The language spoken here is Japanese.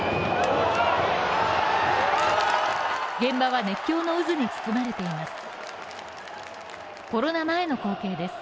現場は熱狂の渦に包まれています。